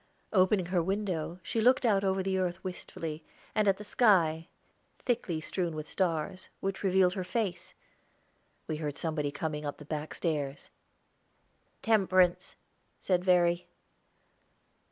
Opening her window, she looked out over the earth wistfully, and at the sky, thickly strewn with stars, which revealed her face. We heard somebody coming up the back stairs. "Temperance," said Verry.